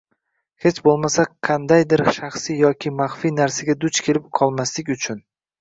hech bo‘lmasa qandaydir shaxsiy yoki maxfiy narsaga duch kelib qolmaslik uchun.